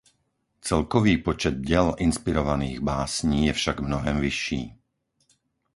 Celkový počet děl inspirovaných básní je však mnohem vyšší.